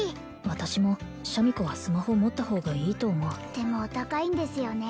私もシャミ子はスマホ持った方がいいと思うスススでもお高いんですよね